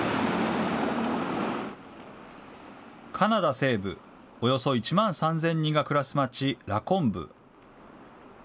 カナダ西部、およそ１万３０００人が暮らす町、ラコンブ。